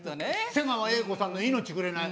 瀬川瑛子さんの「命くれない」。